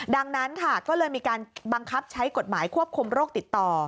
ดังนั้นค่ะก็เลยมีการบังคับใช้กฎหมายควบคุมโรคติดต่อ